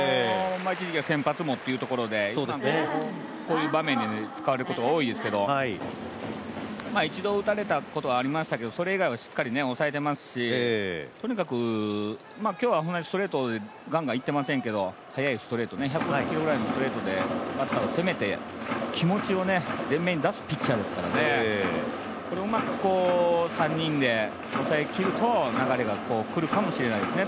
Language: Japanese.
一時期は先発もということで今、こういう場面で使われることが多いですけど一度打たれたことはありましたけど、それ以外はしっかり抑えてますしとにかく、今日はストレートガンガンいっていませんけど速いストレート、１５０キロぐらいのストレートで攻めて気持ちを前面に出すピッチャーですからこれをうまく、３人で抑えきると流れがくるかもしれないですね